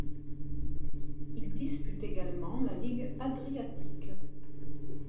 Il dispute également la ligue adriatique.